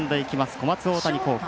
小松大谷高校。